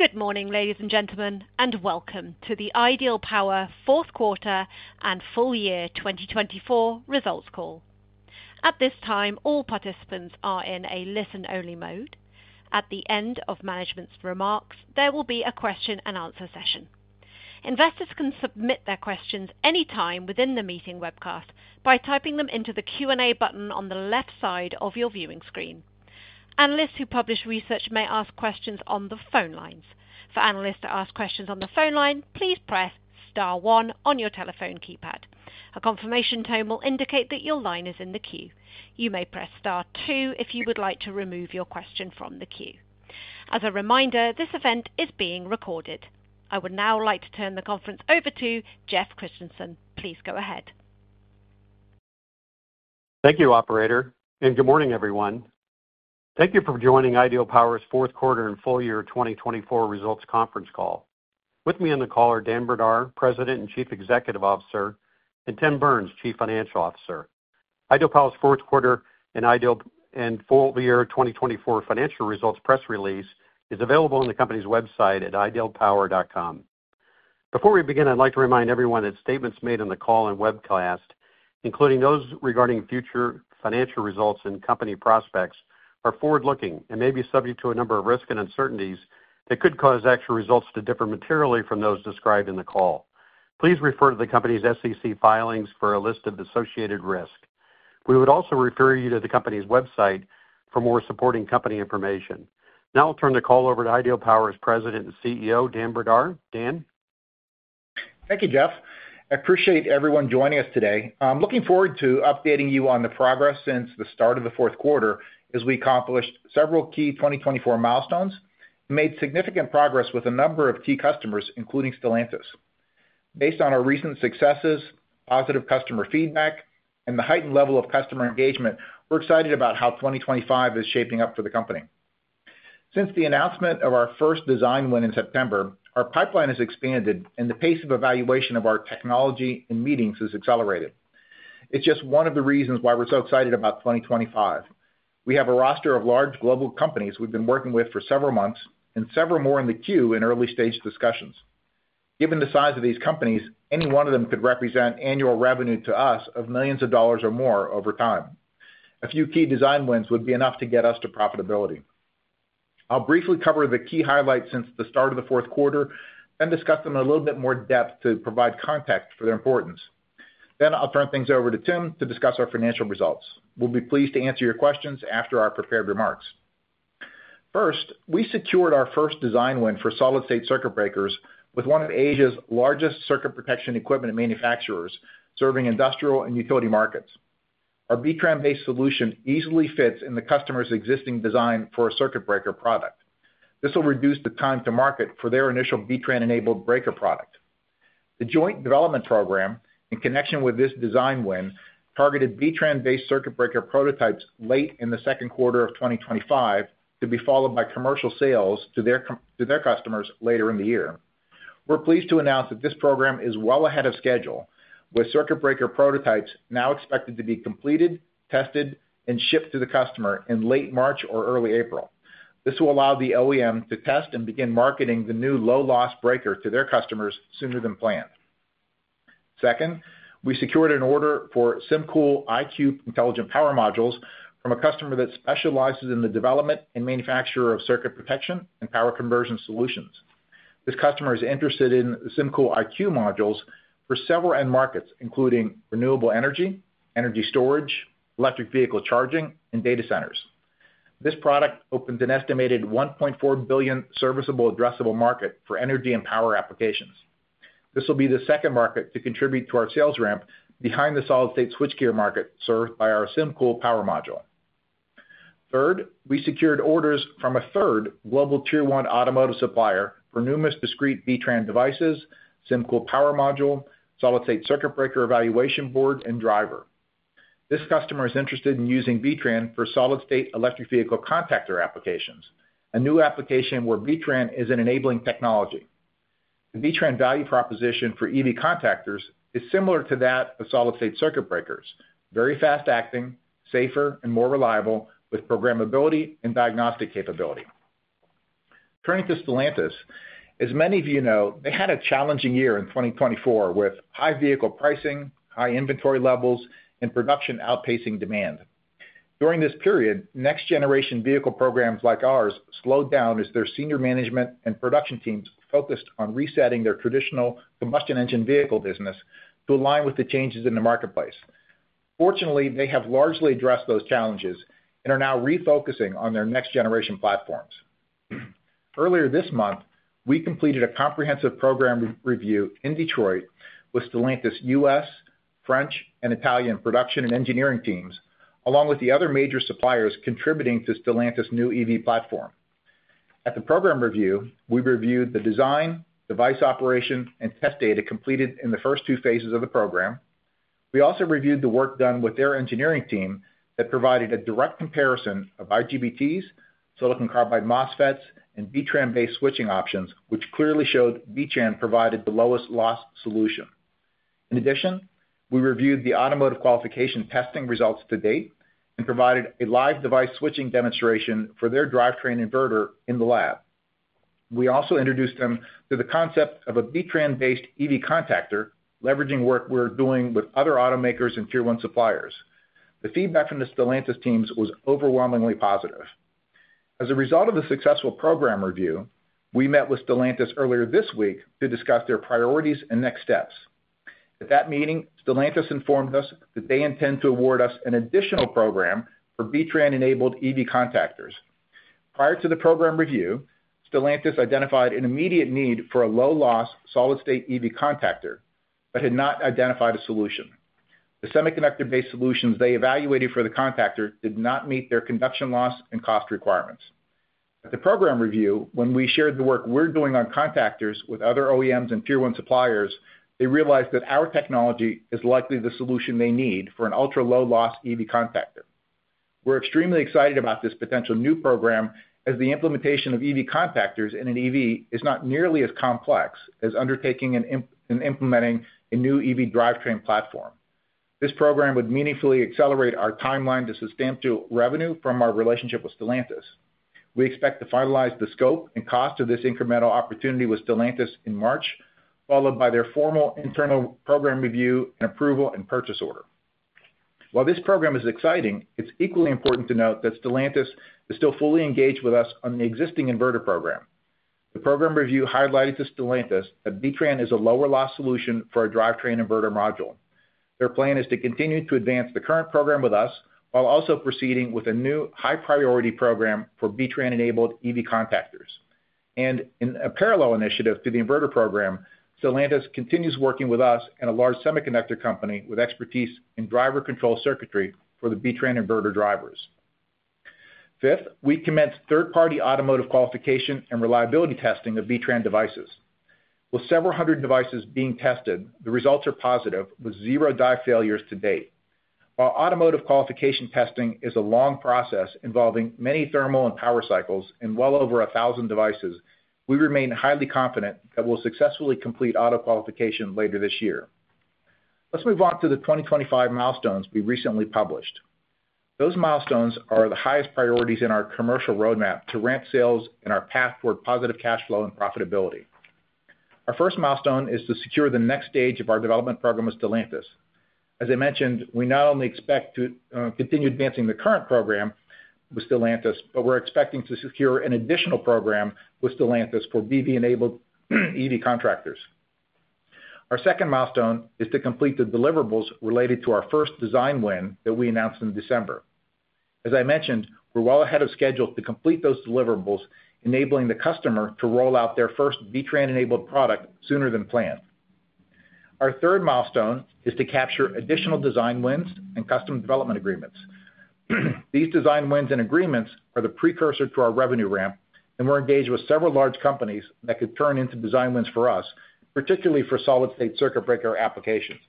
Good morning, ladies and gentlemen, and welcome to the Ideal Power Fourth Quarter and Full Year 2024 Results Call. At this time, all participants are in a listen-only mode. At the end of management's remarks, there will be a question-and-answer session. Investors can submit their questions anytime within the meeting webcast by typing them into the Q&A button on the left side of your viewing screen. Analysts who publish research may ask questions on the phone lines. For analysts to ask questions on the phone line, please press Star 1 on your telephone keypad. A confirmation tone will indicate that your line is in the queue. You may press Star 2 if you would like to remove your question from the queue. As a reminder, this event is being recorded. I would now like to turn the conference over to Jeff Christensen. Please go ahead. Thank you, Operator, and good morning, everyone. Thank you for joining Ideal Power's Fourth Quarter and Full Year 2024 Results Conference Call. With me on the call are Dan Brdar, President and Chief Executive Officer, and Tim Burns, Chief Financial Officer. Ideal Power's Fourth Quarter and Full Year 2024 Financial Results Press Release is available on the company's website at idealpower.com. Before we begin, I'd like to remind everyone that statements made on the call and webcast, including those regarding future financial results and company prospects, are forward-looking and may be subject to a number of risks and uncertainties that could cause actual results to differ materially from those described in the call. Please refer to the company's SEC filings for a list of associated risks. We would also refer you to the company's website for more supporting company information. Now I'll turn the call over to Ideal Power's President and CEO, Dan Brdar. Dan? Thank you, Jeff. I appreciate everyone joining us today. I'm looking forward to updating you on the progress since the start of the fourth quarter as we accomplished several key 2024 milestones and made significant progress with a number of key customers, including Stellantis. Based on our recent successes, positive customer feedback, and the heightened level of customer engagement, we're excited about how 2025 is shaping up for the company. Since the announcement of our first design win in September, our pipeline has expanded, and the pace of evaluation of our technology and meetings has accelerated. It's just one of the reasons why we're so excited about 2025. We have a roster of large global companies we've been working with for several months and several more in the queue in early-stage discussions. Given the size of these companies, any one of them could represent annual revenue to us of millions of dollars or more over time. A few key design wins would be enough to get us to profitability. I'll briefly cover the key highlights since the start of the fourth quarter, then discuss them in a little bit more depth to provide context for their importance. I'll turn things over to Tim to discuss our financial results. We'll be pleased to answer your questions after our prepared remarks. First, we secured our first design win for solid-state circuit breakers with one of Asia's largest circuit protection equipment manufacturers serving industrial and utility markets. Our B-TRAN-based solution easily fits in the customer's existing design for a circuit breaker product. This will reduce the time to market for their initial B-TRAN-enabled breaker product. The joint development program, in connection with this design win, targeted B-TRAN-based circuit breaker prototypes late in the second quarter of 2025 to be followed by commercial sales to their customers later in the year. We're pleased to announce that this program is well ahead of schedule, with circuit breaker prototypes now expected to be completed, tested, and shipped to the customer in late March or early April. This will allow the OEM to test and begin marketing the new low-loss breaker to their customers sooner than planned. Second, we secured an order for SymCool IQ Intelligent Power Module from a customer that specializes in the development and manufacture of circuit protection and power conversion solutions. This customer is interested in SymCool IQ Module for several end markets, including renewable energy, energy storage, electric vehicle charging, and data centers. This product opens an estimated $1.4 billion serviceable addressable market for energy and power applications. This will be the second market to contribute to our sales ramp behind the solid-state switchgear market served by our SymCool Power Module. Third, we secured orders from a third global tier-one automotive supplier for numerous discrete B-TRAN devices, SymCool Power Module, solid-state circuit breaker evaluation board, and driver. This customer is interested in using B-TRAN for solid-state electric vehicle contactor applications, a new application where B-TRAN is an enabling technology. The B-TRAN value proposition for EV contactors is similar to that of solid-state circuit breakers: very fast-acting, safer, and more reliable with programmability and diagnostic capability. Turning to Stellantis, as many of you know, they had a challenging year in 2024 with high vehicle pricing, high inventory levels, and production outpacing demand. During this period, next-generation vehicle programs like ours slowed down as their senior management and production teams focused on resetting their traditional combustion engine vehicle business to align with the changes in the marketplace. Fortunately, they have largely addressed those challenges and are now refocusing on their next-generation platforms. Earlier this month, we completed a comprehensive program review in Detroit with Stellantis' US, French, and Italian production and engineering teams, along with the other major suppliers contributing to Stellantis' new EV platform. At the program review, we reviewed the design, device operation, and test data completed in the first two phases of the program. We also reviewed the work done with their engineering team that provided a direct comparison of IGBTs, silicon carbide MOSFETs, and B-TRAN-based switching options, which clearly showed B-TRAN provided the lowest loss solution. In addition, we reviewed the automotive qualification testing results to date and provided a live device switching demonstration for their drivetrain inverter in the lab. We also introduced them to the concept of a B-TRAN-based EV contactor, leveraging work we're doing with other automakers and tier-one suppliers. The feedback from the Stellantis teams was overwhelmingly positive. As a result of the successful program review, we met with Stellantis earlier this week to discuss their priorities and next steps. At that meeting, Stellantis informed us that they intend to award us an additional program for B-TRAN-enabled EV contactors. Prior to the program review, Stellantis identified an immediate need for a low-loss solid-state EV contactor but had not identified a solution. The semiconductor-based solutions they evaluated for the contactor did not meet their conduction loss and cost requirements. At the program review, when we shared the work we're doing on contactors with other OEMs and tier-one suppliers, they realized that our technology is likely the solution they need for an ultra-low-loss EV contactor. We're extremely excited about this potential new program as the implementation of EV contactors in an EV is not nearly as complex as undertaking and implementing a new EV drivetrain platform. This program would meaningfully accelerate our timeline to substantial revenue from our relationship with Stellantis. We expect to finalize the scope and cost of this incremental opportunity with Stellantis in March, followed by their formal internal program review and approval and purchase order. While this program is exciting, it's equally important to note that Stellantis is still fully engaged with us on the existing inverter program. The program review highlighted to Stellantis that B-TRAN is a lower-loss solution for a drivetrain inverter module. Their plan is to continue to advance the current program with us while also proceeding with a new high-priority program for B-TRAN-enabled EV contactors. In a parallel initiative to the inverter program, Stellantis continues working with us and a large semiconductor company with expertise in driver control circuitry for the B-TRAN inverter drivers. Fifth, we commence third-party automotive qualification and reliability testing of B-TRAN devices. With several hundred devices being tested, the results are positive with zero die failures to date. While automotive qualification testing is a long process involving many thermal and power cycles and well over 1,000 devices, we remain highly confident that we'll successfully complete auto qualification later this year. Let's move on to the 2025 milestones we recently published. Those milestones are the highest priorities in our commercial roadmap to ramp sales and our path toward positive cash flow and profitability. Our first milestone is to secure the next stage of our development program with Stellantis. As I mentioned, we not only expect to continue advancing the current program with Stellantis, but we're expecting to secure an additional program with Stellantis for B-TRAN-enabled EV contactors. Our second milestone is to complete the deliverables related to our first design win that we announced in December. As I mentioned, we're well ahead of schedule to complete those deliverables, enabling the customer to roll out their first B-TRAN-enabled product sooner than planned. Our third milestone is to capture additional design wins and custom development agreements. These design wins and agreements are the precursor to our revenue ramp, and we're engaged with several large companies that could turn into design wins for us, particularly for solid-state circuit breaker applications.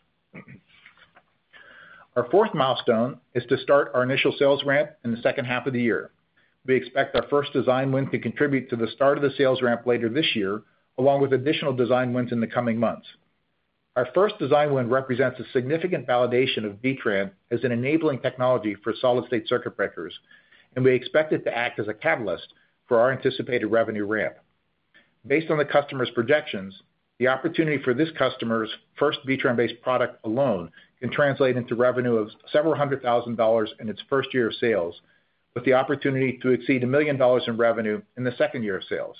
Our fourth milestone is to start our initial sales ramp in the second half of the year. We expect our first design win to contribute to the start of the sales ramp later this year, along with additional design wins in the coming months. Our first design win represents a significant validation of B-TRAN as an enabling technology for solid-state circuit breakers, and we expect it to act as a catalyst for our anticipated revenue ramp. Based on the customer's projections, the opportunity for this customer's first B-TRAN-based product alone can translate into revenue of several hundred thousand dollars in its first year of sales, with the opportunity to exceed $1 million in revenue in the second year of sales.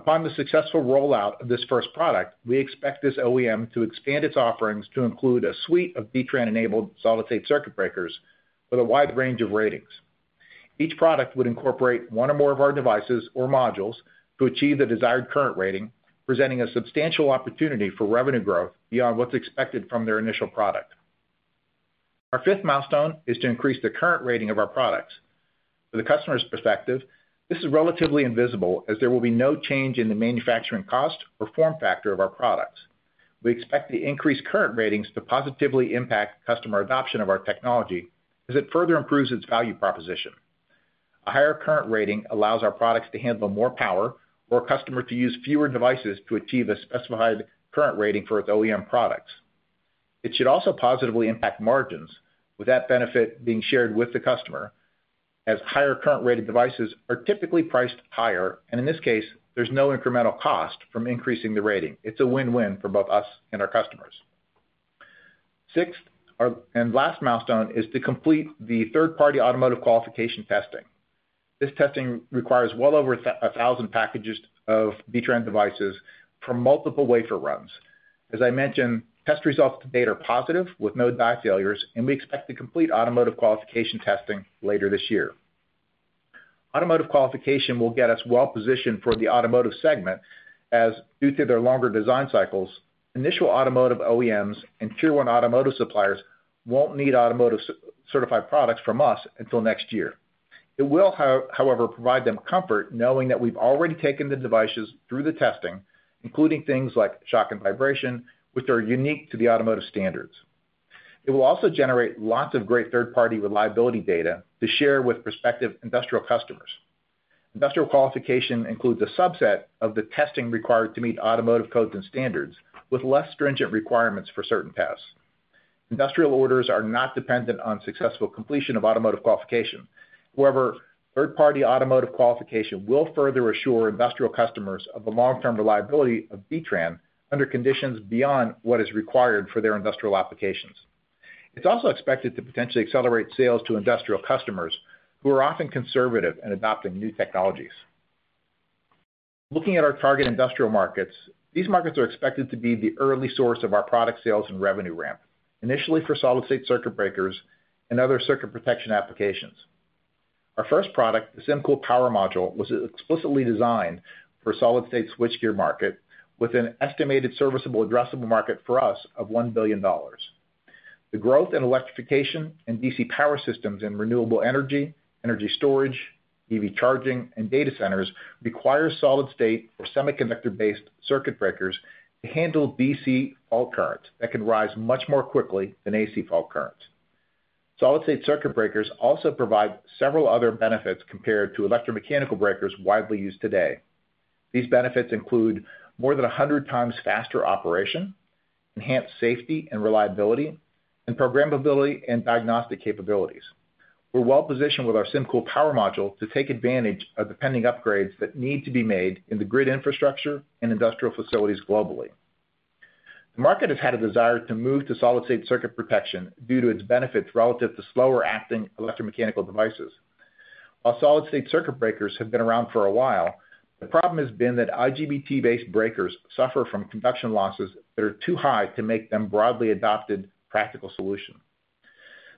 Upon the successful rollout of this first product, we expect this OEM to expand its offerings to include a suite of B-TRAN-enabled solid-state circuit breakers with a wide range of ratings. Each product would incorporate one or more of our devices or modules to achieve the desired current rating, presenting a substantial opportunity for revenue growth beyond what's expected from their initial product. Our fifth milestone is to increase the current rating of our products. From the customer's perspective, this is relatively invisible as there will be no change in the manufacturing cost or form factor of our products. We expect the increased current ratings to positively impact customer adoption of our technology as it further improves its value proposition. A higher current rating allows our products to handle more power, or a customer to use fewer devices to achieve a specified current rating for its OEM products. It should also positively impact margins, with that benefit being shared with the customer, as higher current-rated devices are typically priced higher, and in this case, there is no incremental cost from increasing the rating. It is a win-win for both us and our customers. Sixth and last milestone is to complete the third-party automotive qualification testing. This testing requires well over 1,000 packages of B-TRAN devices for multiple wafer runs. As I mentioned, test results to date are positive with no die failures, and we expect to complete automotive qualification testing later this year. Automotive qualification will get us well-positioned for the automotive segment as, due to their longer design cycles, initial automotive OEMs and tier-one automotive suppliers will not need automotive-certified products from us until next year. It will, however, provide them comfort knowing that we've already taken the devices through the testing, including things like shock and vibration, which are unique to the automotive standards. It will also generate lots of great third-party reliability data to share with prospective industrial customers. Industrial qualification includes a subset of the testing required to meet automotive codes and standards, with less stringent requirements for certain tests. Industrial orders are not dependent on successful completion of automotive qualification. However, third-party automotive qualification will further assure industrial customers of the long-term reliability of B-TRAN under conditions beyond what is required for their industrial applications. It's also expected to potentially accelerate sales to industrial customers who are often conservative in adopting new technologies. Looking at our target industrial markets, these markets are expected to be the early source of our product sales and revenue ramp, initially for solid-state circuit breakers and other circuit protection applications. Our first product, the SymCool Power Module, was explicitly designed for a solid-state switchgear market with an estimated serviceable addressable market for us of $1 billion. The growth in electrification and DC power systems in renewable energy, energy storage, EV charging, and data centers requires solid-state or semiconductor-based circuit breakers to handle DC fault currents that can rise much more quickly than AC fault currents. Solid-state circuit breakers also provide several other benefits compared to electromechanical breakers widely used today. These benefits include more than 100 times faster operation, enhanced safety and reliability, and programmability and diagnostic capabilities. We're well-positioned with our SymCool Power Module to take advantage of the pending upgrades that need to be made in the grid infrastructure and industrial facilities globally. The market has had a desire to move to solid-state circuit protection due to its benefits relative to slower-acting electromechanical devices. While solid-state circuit breakers have been around for a while, the problem has been that IGBT-based breakers suffer from conduction losses that are too high to make them a broadly adopted practical solution.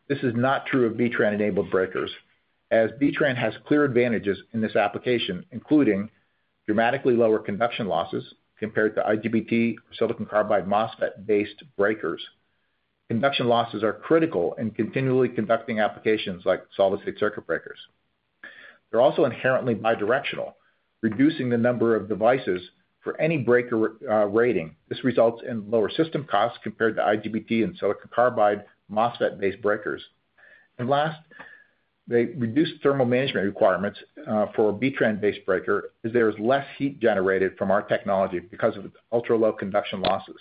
This is not true of B-TRAN-enabled breakers, as B-TRAN has clear advantages in this application, including dramatically lower conduction losses compared to IGBT or silicon carbide MOSFET-based breakers. Conduction losses are critical in continually conducting applications like solid-state circuit breakers. They're also inherently bidirectional, reducing the number of devices for any breaker rating. This results in lower system costs compared to IGBT and silicon carbide MOSFET-based breakers. They reduce thermal management requirements for a B-TRAN-based breaker as there is less heat generated from our technology because of its ultra-low conduction losses.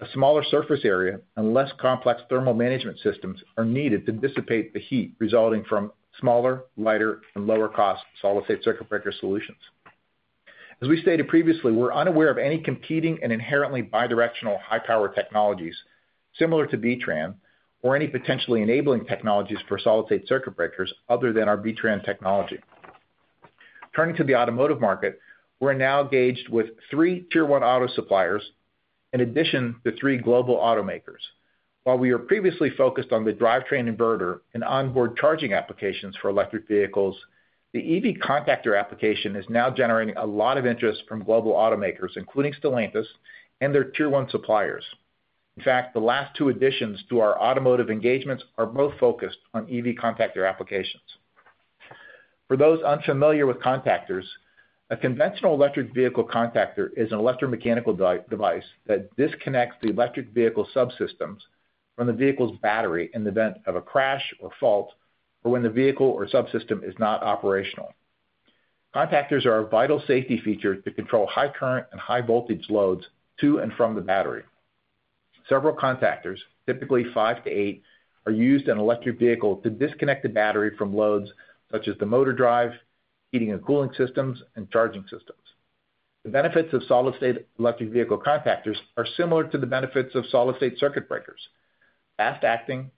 A smaller surface area and less complex thermal management systems are needed to dissipate the heat resulting from smaller, lighter, and lower-cost solid-state circuit breaker solutions. As we stated previously, we're unaware of any competing and inherently bidirectional high-power technologies similar to B-TRAN or any potentially enabling technologies for solid-state circuit breakers other than our B-TRAN technology. Turning to the automotive market, we're now engaged with three tier-one auto suppliers in addition to three global automakers. While we were previously focused on the drivetrain inverter and onboard charging applications for electric vehicles, the EV contactor application is now generating a lot of interest from global automakers, including Stellantis and their tier-one suppliers. In fact, the last two additions to our automotive engagements are both focused on EV contactor applications. For those unfamiliar with contactors, a conventional electric vehicle contactor is an electromechanical device that disconnects the electric vehicle subsystems from the vehicle's battery in the event of a crash or fault or when the vehicle or subsystem is not operational. Contactors are a vital safety feature to control high current and high voltage loads to and from the battery. Several contactors, typically five to eight, are used in an electric vehicle to disconnect the battery from loads such as the motor drive, heating and cooling systems, and charging systems. The benefits of solid-state electric vehicle contactors are similar to the benefits of solid-state circuit breakers: fast acting,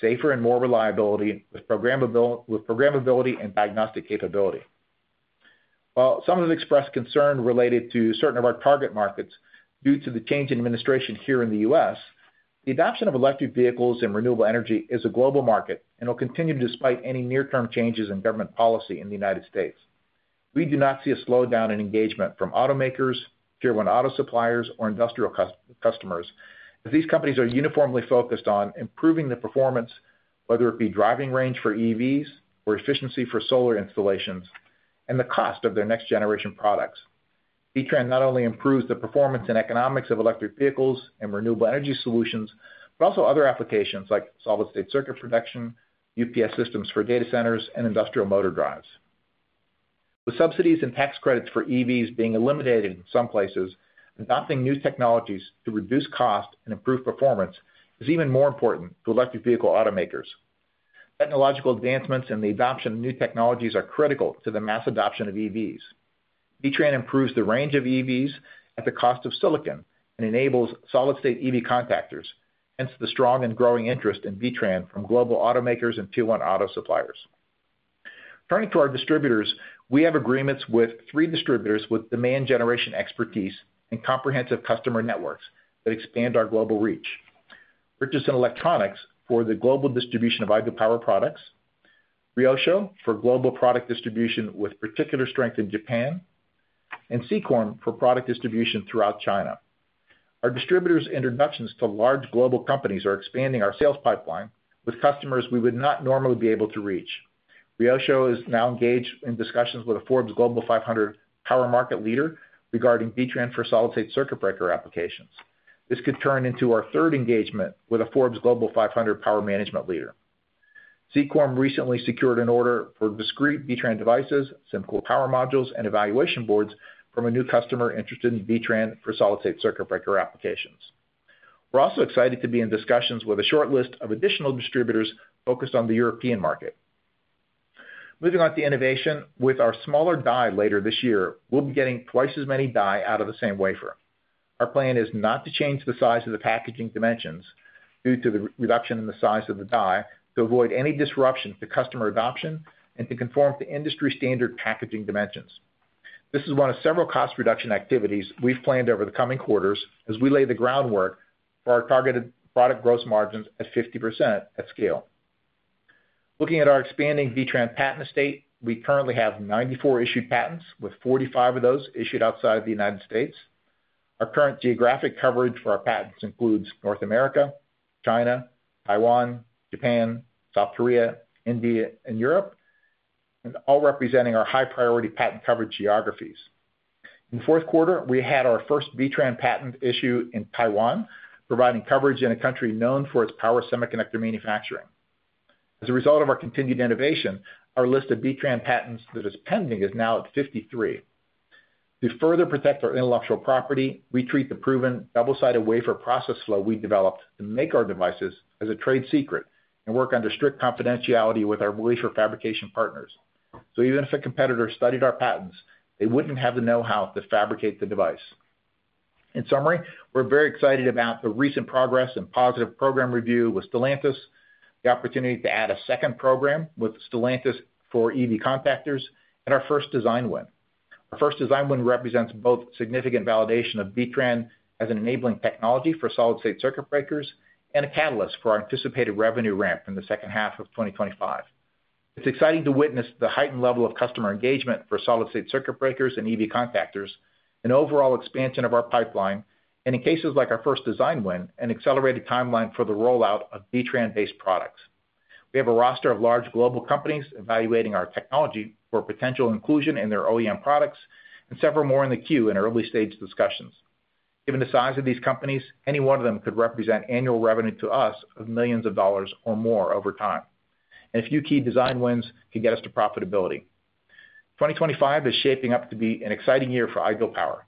safer and more reliability, with programmability and diagnostic capability. While some have expressed concern related to certain of our target markets due to the change in administration here in the U.S., the adoption of electric vehicles and renewable energy is a global market and will continue despite any near-term changes in government policy in the United States. We do not see a slowdown in engagement from automakers, tier-one auto suppliers, or industrial customers as these companies are uniformly focused on improving the performance, whether it be driving range for EVs or efficiency for solar installations, and the cost of their next-generation products. B-TRAN not only improves the performance and economics of electric vehicles and renewable energy solutions, but also other applications like solid-state circuit protection, UPS systems for data centers, and industrial motor drives. With subsidies and tax credits for EVs being eliminated in some places, adopting new technologies to reduce cost and improve performance is even more important to electric vehicle automakers. Technological advancements and the adoption of new technologies are critical to the mass adoption of EVs. B-TRAN improves the range of EVs at the cost of silicon and enables solid-state EV contactors, hence the strong and growing interest in B-TRAN from global automakers and tier-one auto suppliers. Turning to our distributors, we have agreements with three distributors with demand generation expertise and comprehensive customer networks that expand our global reach: Richardson Electronics for the global distribution of IGBT products, Ryosho for global product distribution with particular strength in Japan, and Sekorm for product distribution throughout China. Our distributors' introductions to large global companies are expanding our sales pipeline with customers we would not normally be able to reach. Ryosho is now engaged in discussions with a Forbes Global 500 power market leader regarding B-TRAN for solid-state circuit breaker applications. This could turn into our third engagement with a Forbes Global 500 power management leader. Sekorm recently secured an order for discrete B-TRAN devices, SymCool Power Module, and evaluation boards from a new customer interested in B-TRAN for solid-state circuit breaker applications. We're also excited to be in discussions with a short list of additional distributors focused on the European market. Moving on to innovation, with our smaller die later this year, we'll be getting twice as many die out of the same wafer. Our plan is not to change the size of the packaging dimensions due to the reduction in the size of the die to avoid any disruption to customer adoption and to conform to industry-standard packaging dimensions. This is one of several cost reduction activities we've planned over the coming quarters as we lay the groundwork for our targeted product gross margins at 50% at scale. Looking at our expanding B-TRAN patent estate, we currently have 94 issued patents, with 45 of those issued outside the United States. Our current geographic coverage for our patents includes North America, China, Taiwan, Japan, South Korea, India, and Europe, all representing our high-priority patent coverage geographies. In the fourth quarter, we had our first B-TRAN patent issued in Taiwan, providing coverage in a country known for its power semiconductor manufacturing. As a result of our continued innovation, our list of B-TRAN patents that is pending is now at 53. To further protect our intellectual property, we treat the proven double-sided wafer process flow we developed to make our devices as a trade secret and work under strict confidentiality with our wafer fabrication partners. Even if a competitor studied our patents, they would not have the know-how to fabricate the device. In summary, we are very excited about the recent progress and positive program review with Stellantis, the opportunity to add a second program with Stellantis for EV contactors, and our first design win. Our first design win represents both significant validation of B-TRAN as an enabling technology for solid-state circuit breakers and a catalyst for our anticipated revenue ramp in the second half of 2025. It's exciting to witness the heightened level of customer engagement for solid-state circuit breakers and EV contactors, an overall expansion of our pipeline, and in cases like our first design win, an accelerated timeline for the rollout of B-TRAN-based products. We have a roster of large global companies evaluating our technology for potential inclusion in their OEM products, and several more in the queue in early-stage discussions. Given the size of these companies, any one of them could represent annual revenue to us of millions of dollars or more over time, and a few key design wins could get us to profitability. 2025 is shaping up to be an exciting year for Ideal Power.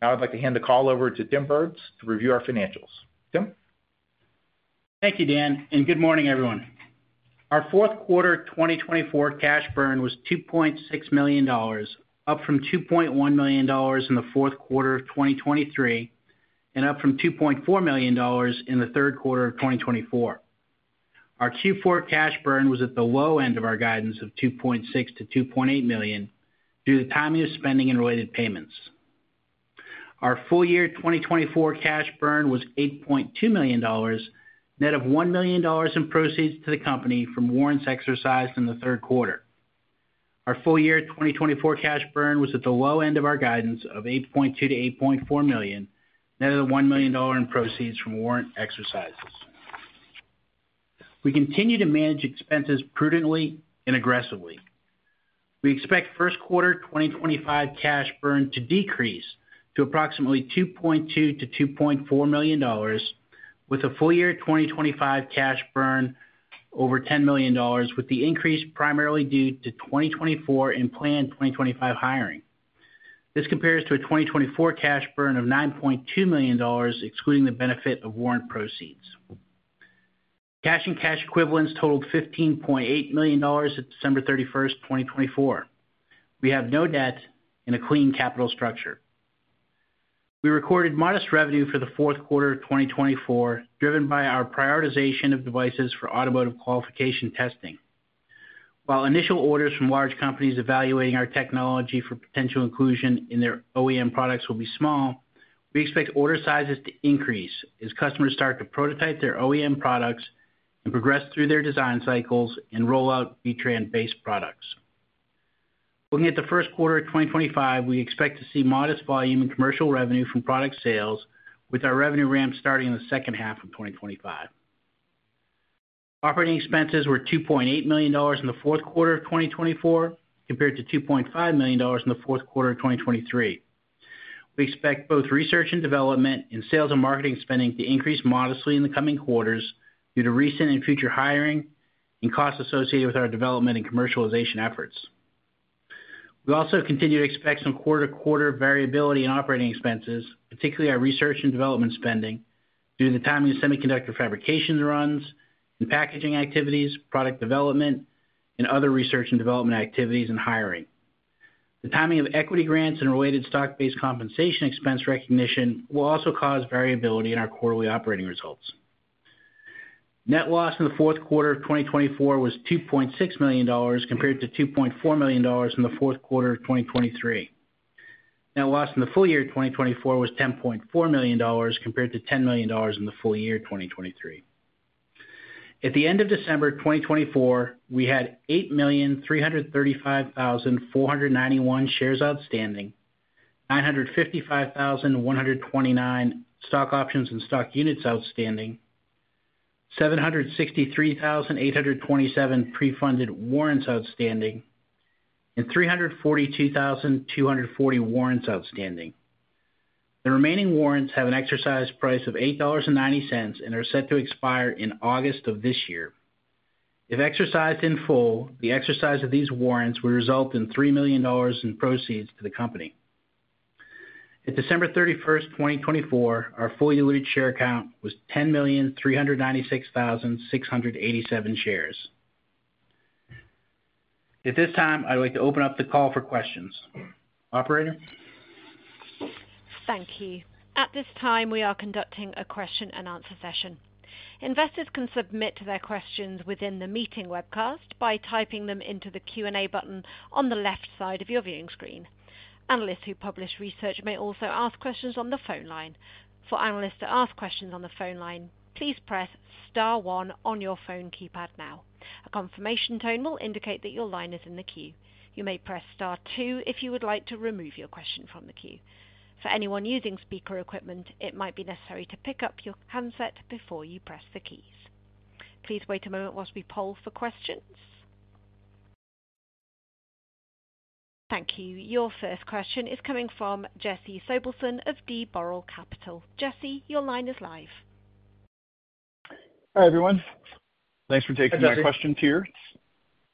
Now I'd like to hand the call over to Tim Burns to review our financials. Tim? Thank you, Dan, and good morning, everyone. Our fourth quarter 2024 cash burn was $2.6 million, up from $2.1 million in the fourth quarter of 2023 and up from $2.4 million in the third quarter of 2024. Our Q4 cash burn was at the low end of our guidance of $2.6-$2.8 million due to timely spending and related payments. Our full year 2024 cash burn was $8.2 million, net of $1 million in proceeds to the company from warrants exercised in the third quarter. Our full year 2024 cash burn was at the low end of our guidance of $8.2-$8.4 million, net of the $1 million in proceeds from warrant exercises. We continue to manage expenses prudently and aggressively. We expect first quarter 2025 cash burn to decrease to approximately $2.2-$2.4 million, with a full year 2025 cash burn over $10 million, with the increase primarily due to 2024 and planned 2025 hiring. This compares to a 2024 cash burn of $9.2 million, excluding the benefit of warrant proceeds. Cash and cash equivalents totaled $15.8 million at December 31st, 2024. We have no debt and a clean capital structure. We recorded modest revenue for the fourth quarter of 2024, driven by our prioritization of devices for automotive qualification testing. While initial orders from large companies evaluating our technology for potential inclusion in their OEM products will be small, we expect order sizes to increase as customers start to prototype their OEM products and progress through their design cycles and rollout B-TRAN-based products. Looking at the first quarter of 2025, we expect to see modest volume and commercial revenue from product sales, with our revenue ramp starting in the second half of 2025. Operating expenses were $2.8 million in the fourth quarter of 2024 compared to $2.5 million in the fourth quarter of 2023. We expect both research and development and sales and marketing spending to increase modestly in the coming quarters due to recent and future hiring and costs associated with our development and commercialization efforts. We also continue to expect some quarter-to-quarter variability in operating expenses, particularly our research and development spending, due to the timing of semiconductor fabrication runs and packaging activities, product development, and other research and development activities and hiring. The timing of equity grants and related stock-based compensation expense recognition will also cause variability in our quarterly operating results. Net loss in the fourth quarter of 2024 was $2.6 million compared to $2.4 million in the fourth quarter of 2023. Net loss in the full year 2024 was $10.4 million compared to $10 million in the full year 2023. At the end of December 2024, we had 8,335,491 shares outstanding, 955,129 stock options and stock units outstanding, 763,827 pre-funded warrants outstanding, and 342,240 warrants outstanding. The remaining warrants have an exercise price of $8.90 and are set to expire in August of this year. If exercised in full, the exercise of these warrants would result in $3 million in proceeds to the company. At December 31st, 2024, our fully diluted share count was 10,396,687 shares. At this time, I'd like to open up the call for questions. Operator? Thank you. At this time, we are conducting a question-and-answer session. Investors can submit their questions within the meeting webcast by typing them into the Q&A button on the left side of your viewing screen. Analysts who publish research may also ask questions on the phone line. For analysts to ask questions on the phone line, please press Star 1 on your phone keypad now. A confirmation tone will indicate that your line is in the queue. You may press Star 2 if you would like to remove your question from the queue. For anyone using speaker equipment, it might be necessary to pick up your handset before you press the keys. Please wait a moment while we poll for questions. Thank you. Your first question is coming from Jesse Sobelson of D. Boral Capital. Jesse, your line is live. Hi, everyone. Thanks for taking my questions here.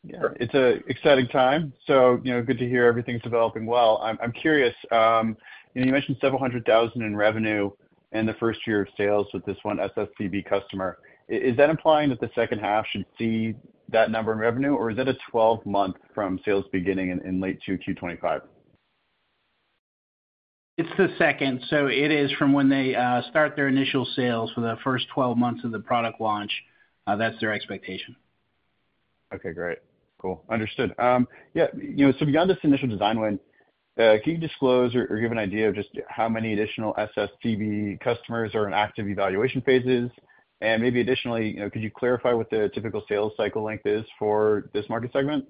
It's an exciting time, so good to hear everything's developing well. I'm curious, you mentioned several hundred thousand in revenue in the first year of sales with this one SSCB customer. Is that implying that the second half should see that number in revenue, or is that a 12-month from sales beginning in late Q2 2025? It's the second, so it is from when they start their initial sales for the first 12 months of the product launch. That's their expectation. Okay, great. Cool. Understood. Yeah. Beyond this initial design win, can you disclose or give an idea of just how many additional SSCB customers are in active evaluation phases? And maybe additionally, could you clarify what the typical sales cycle length is for this market segment?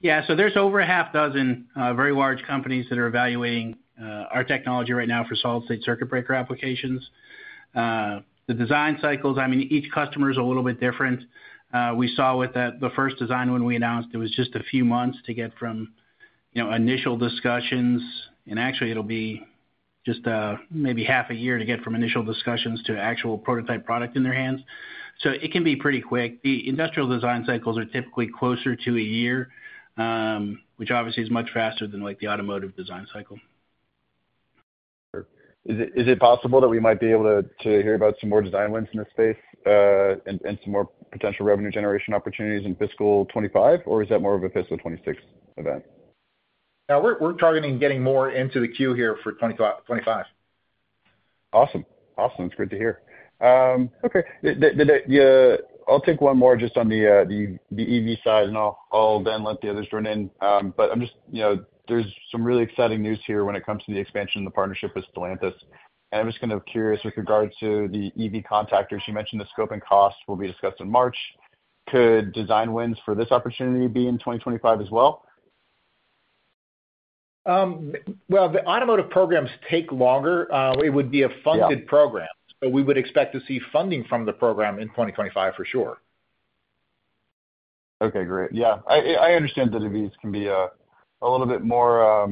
Yeah. There's over a half dozen very large companies that are evaluating our technology right now for solid-state circuit breaker applications. The design cycles, I mean, each customer is a little bit different. We saw with the first design win we announced, it was just a few months to get from initial discussions, and actually, it'll be just maybe half a year to get from initial discussions to actual prototype product in their hands. It can be pretty quick. The industrial design cycles are typically closer to a year, which obviously is much faster than the automotive design cycle. Is it possible that we might be able to hear about some more design wins in this space and some more potential revenue generation opportunities in fiscal 2025, or is that more of a fiscal 2026 event? Yeah. We're targeting getting more into the queue here for 2025. Awesome. Awesome. That's great to hear. Okay. I'll take one more just on the EV side, and I'll then let the others join in. There's some really exciting news here when it comes to the expansion and the partnership with Stellantis. I'm just kind of curious with regards to the EV contactors. You mentioned the scope and cost will be discussed in March. Could design wins for this opportunity be in 2025 as well? The automotive programs take longer. It would be a funded program, so we would expect to see funding from the program in 2025 for sure. Okay. Great. I understand that EVs can be a little bit more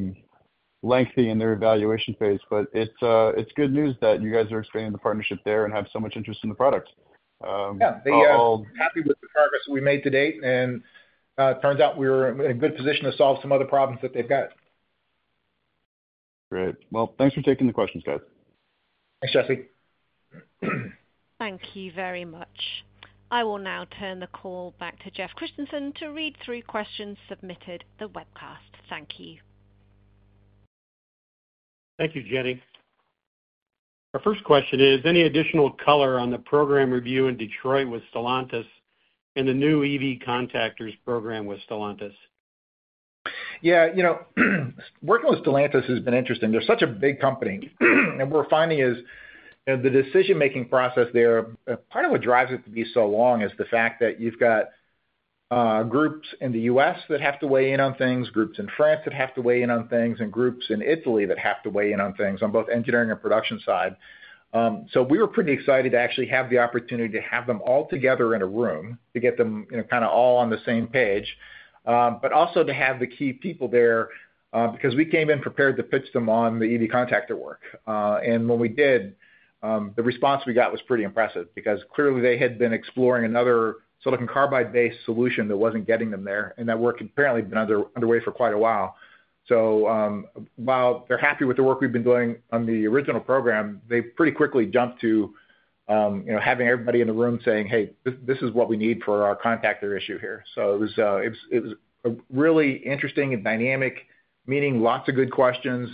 lengthy in their evaluation phase, but it's good news that you guys are expanding the partnership there and have so much interest in the product. Yeah. They are happy with the progress that we've made to date, and it turns out we're in a good position to solve some other problems that they've got. Great. Thanks for taking the questions, guys. Thanks, Jesse. Thank you very much. I will now turn the call back to Jeff Christensen to read through questions submitted to the webcast. Thank you. Thank you, Jenny. Our first question is, any additional color on the program review in Detroit with Stellantis and the new EV contactors program with Stellantis? Yeah. Working with Stellantis has been interesting. They're such a big company. What we're finding is the decision-making process there, part of what drives it to be so long is the fact that you've got groups in the U.S. that have to weigh in on things, groups in France that have to weigh in on things, and groups in Italy that have to weigh in on things on both engineering and production side. We were pretty excited to actually have the opportunity to have them all together in a room to get them kind of all on the same page, but also to have the key people there because we came in prepared to pitch them on the EV contactor work. When we did, the response we got was pretty impressive because clearly they had been exploring another silicon carbide-based solution that was not getting them there, and that work had apparently been underway for quite a while. While they're happy with the work we've been doing on the original program, they pretty quickly jumped to having everybody in the room saying, "Hey, this is what we need for our contactor issue here." It was a really interesting and dynamic meeting, lots of good questions.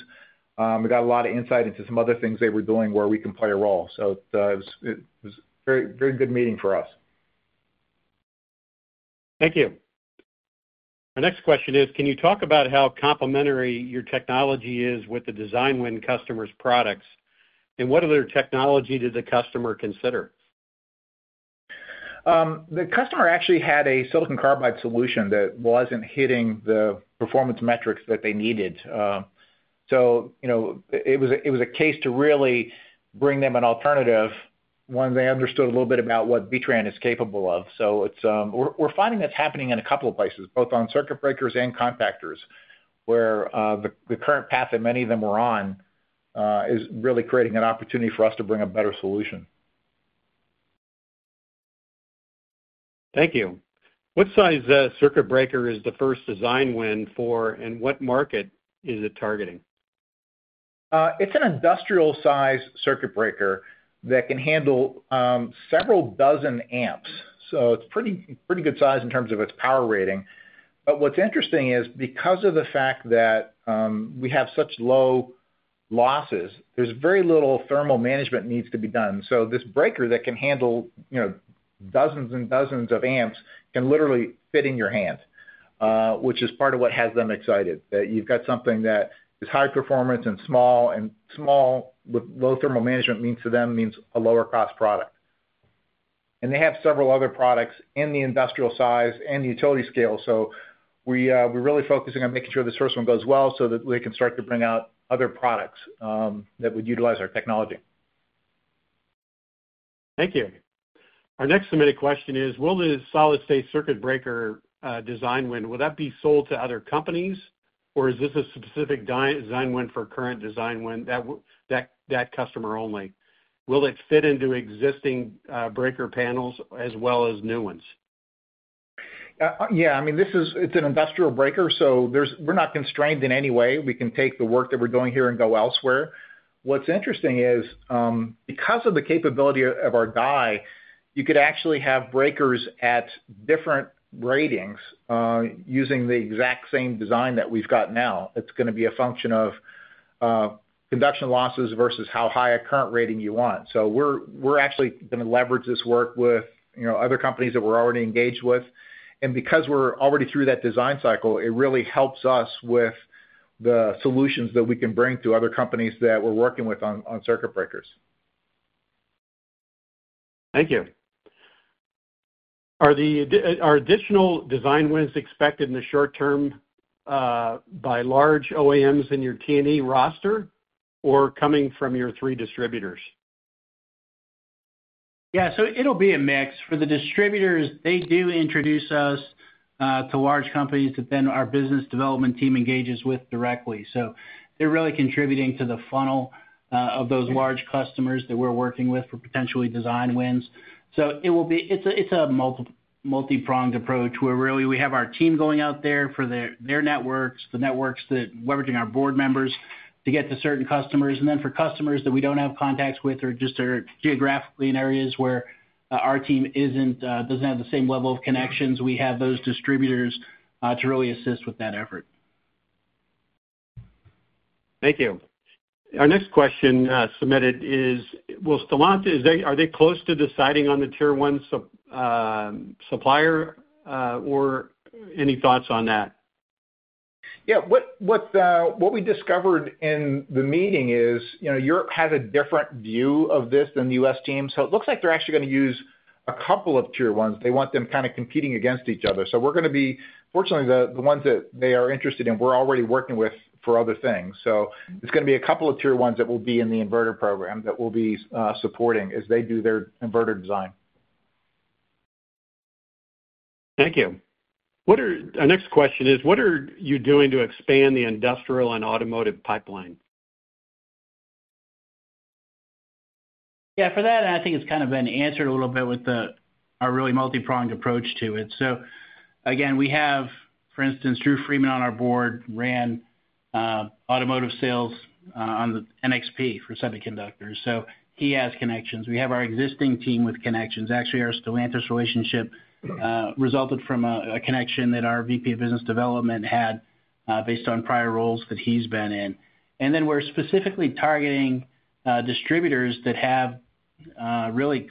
We got a lot of insight into some other things they were doing where we can play a role. It was a very good meeting for us. Thank you. Our next question is, can you talk about how complementary your technology is with the design win customer's products, and what other technology did the customer consider? The customer actually had a silicon carbide solution that wasn't hitting the performance metrics that they needed. It was a case to really bring them an alternative once they understood a little bit about what B-TRAN is capable of. We're finding that's happening in a couple of places, both on circuit breakers and contactors, where the current path that many of them were on is really creating an opportunity for us to bring a better solution. Thank you. What size circuit breaker is the first design win for, and what market is it targeting? It's an industrial-sized circuit breaker that can handle several dozen amps. It's a pretty good size in terms of its power rating. What's interesting is, because of the fact that we have such low losses, there's very little thermal management needs to be done. This breaker that can handle dozens and dozens of amps can literally fit in your hand, which is part of what has them excited, that you've got something that is high performance and small, and small with low thermal management means to them means a lower-cost product. They have several other products in the industrial size and utility scale. We are really focusing on making sure the first one goes well so that we can start to bring out other products that would utilize our technology. Thank you. Our next submitted question is, will the solid-state circuit breaker design win, will that be sold to other companies, or is this a specific design win for current design win that customer only? Will it fit into existing breaker panels as well as new ones? Yeah. I mean, it is an industrial breaker, so we are not constrained in any way. We can take the work that we are doing here and go elsewhere. What is interesting is, because of the capability of our guy, you could actually have breakers at different ratings using the exact same design that we have now. It's going to be a function of conduction losses versus how high a current rating you want. We're actually going to leverage this work with other companies that we're already engaged with. Because we're already through that design cycle, it really helps us with the solutions that we can bring to other companies that we're working with on circuit breakers. Thank you. Are additional design wins expected in the short term by large OEMs in your T&E roster or coming from your three distributors? Yeah. It'll be a mix. For the distributors, they do introduce us to large companies that then our business development team engages with directly. They're really contributing to the funnel of those large customers that we're working with for potentially design wins. It is a multi-pronged approach where really we have our team going out there for their networks, the networks that leveraging our board members to get to certain customers. For customers that we do not have contacts with or just are geographically in areas where our team does not have the same level of connections, we have those distributors to really assist with that effort. Thank you. Our next question submitted is, are they close to deciding on the tier one supplier or any thoughts on that? Yeah. What we discovered in the meeting is Europe has a different view of this than the U.S. team. It looks like they are actually going to use a couple of tier ones. They want them kind of competing against each other. We are going to be, fortunately, the ones that they are interested in, we are already working with for other things. It's going to be a couple of tier ones that will be in the inverter program that we'll be supporting as they do their inverter design. Thank you. Our next question is, what are you doing to expand the industrial and automotive pipeline? Yeah. For that, I think it's kind of been answered a little bit with our really multi-pronged approach to it. Again, we have, for instance, Drue Freeman on our board ran automotive sales on the NXP for semiconductors. He has connections. We have our existing team with connections. Actually, our Stellantis relationship resulted from a connection that our VP of Business Development had based on prior roles that he's been in. Then we're specifically targeting distributors that have really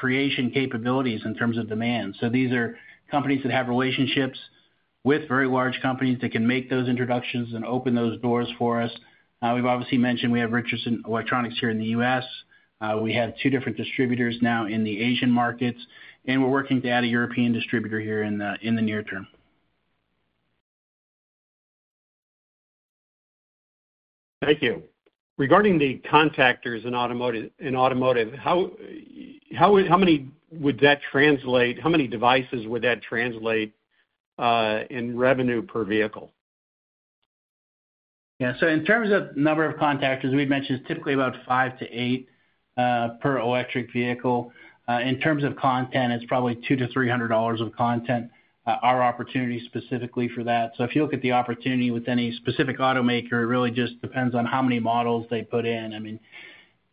creation capabilities in terms of demand. These are companies that have relationships with very large companies that can make those introductions and open those doors for us. We've obviously mentioned we have Richardson Electronics here in the US. We have two different distributors now in the Asian markets, and we're working to add a European distributor here in the near term. Thank you. Regarding the contactors in automotive, how many would that translate? How many devices would that translate in revenue per vehicle? Yeah. In terms of number of contactors, we've mentioned it's typically about five to eight per electric vehicle. In terms of content, it's probably $200-$300 of content, our opportunity specifically for that. If you look at the opportunity with any specific automaker, it really just depends on how many models they put in. I mean,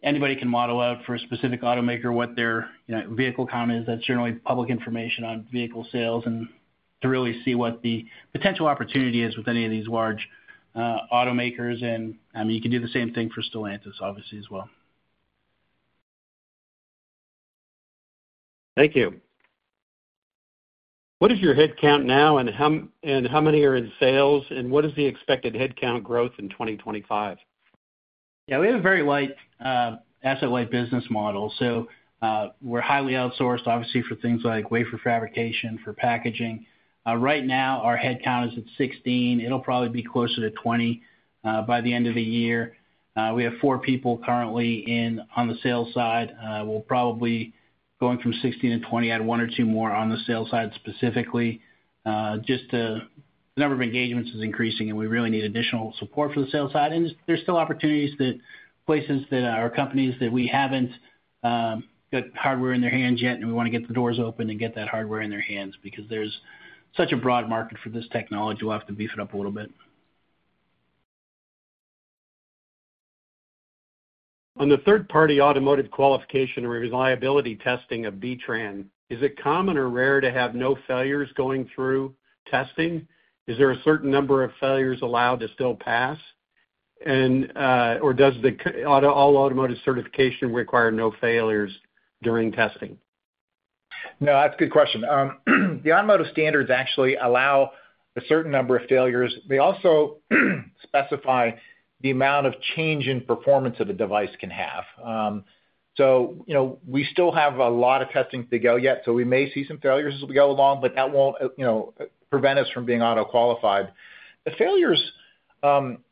anybody can model out for a specific automaker what their vehicle count is. That is generally public information on vehicle sales and to really see what the potential opportunity is with any of these large automakers. I mean, you can do the same thing for Stellantis, obviously, as well. Thank you. What is your headcount now, and how many are in sales, and what is the expected headcount growth in 2025? Yeah. We have a very asset-light business model. We are highly outsourced, obviously, for things like wafer fabrication, for packaging. Right now, our headcount is at 16. It will probably be closer to 20 by the end of the year. We have four people currently on the sales side. We will probably, going from 16 to 20, add one or two more on the sales side specifically. Just the number of engagements is increasing, and we really need additional support for the sales side. There are still opportunities at places that are companies that we have not got hardware in their hands yet, and we want to get the doors open and get that hardware in their hands because there is such a broad market for this technology. We will have to beef it up a little bit. On the third-party automotive qualification or reliability testing of B-TRAN, is it common or rare to have no failures going through testing? Is there a certain number of failures allowed to still pass, or does all automotive certification require no failures during testing? No, that is a good question. The automotive standards actually allow a certain number of failures. They also specify the amount of change in performance that a device can have. We still have a lot of testing to go yet. We may see some failures as we go along, but that will not prevent us from being auto-qualified. The failures, when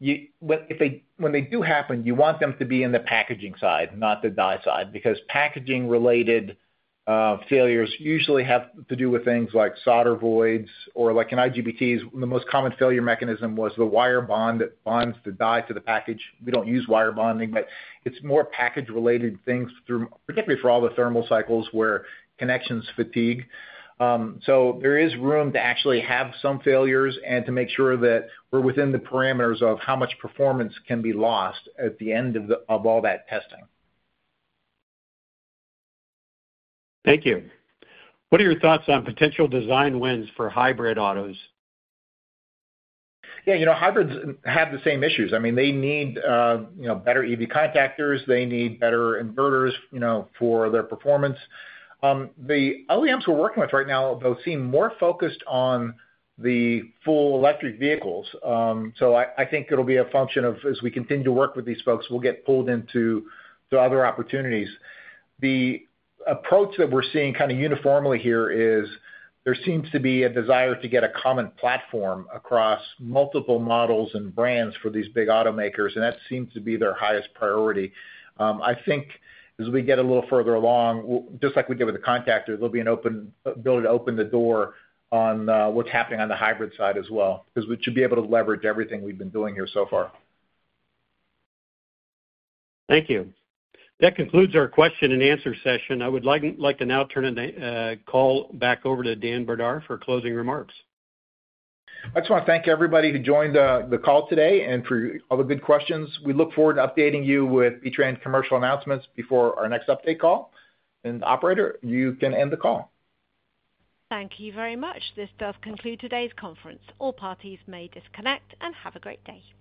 they do happen, you want them to be in the packaging side, not the die side, because packaging-related failures usually have to do with things like solder voids or like in IGBTs, the most common failure mechanism was the wire bond that bonds the die to the package. We do not use wire bonding, but it is more package-related things, particularly for all the thermal cycles where connections fatigue. There is room to actually have some failures and to make sure that we are within the parameters of how much performance can be lost at the end of all that testing. Thank you. What are your thoughts on potential design wins for hybrid autos? Yeah. Hybrids have the same issues. I mean, they need better EV contactors. They need better inverters for their performance. The OEMs we're working with right now, though, seem more focused on the full electric vehicles. I think it'll be a function of, as we continue to work with these folks, we'll get pulled into other opportunities. The approach that we're seeing kind of uniformly here is there seems to be a desire to get a common platform across multiple models and brands for these big automakers, and that seems to be their highest priority. I think as we get a little further along, just like we did with the contactors, there'll be an ability to open the door on what's happening on the hybrid side as well because we should be able to leverage everything we've been doing here so far. Thank you. That concludes our question-and-answer session. I would like to now turn the call back over to Dan Brdar for closing remarks. I just want to thank everybody who joined the call today and for all the good questions. We look forward to updating you with B-TRAN commercial announcements before our next update call. Operator, you can end the call. Thank you very much. This does conclude today's conference. All parties may disconnect and have a great day.